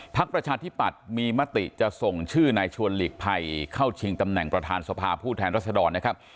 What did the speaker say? ประชาธิปัตย์มีมติจะส่งชื่อนายชวนหลีกภัยเข้าชิงตำแหน่งประธานสภาผู้แทนรัศดรนะครับ